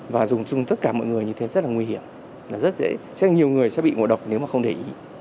và dùng tất cả mọi người như thế rất là nguy hiểm rất dễ nhiều người sẽ bị ngộ độc nếu mà không để ý